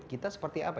kita seperti apa